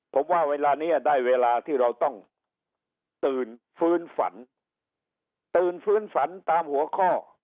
ผมว่าเวลานี้ได้เวลาที่เราต้องตื่นฟื้นฝันตื่นฟื้นฝันตามหัวข้อ